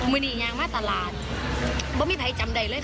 วันนี้อย่างมาตลาดว่าไม่มีใครจำได้เลยค่ะ